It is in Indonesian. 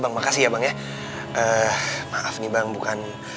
apa emangnya alek buka